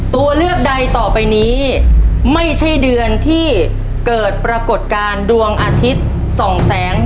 ตัวเลือกใดต่อไปนี้ไม่ใช่เดือนที่เกิดปรากฏการณ์ดวงอาทิตย์๒แสน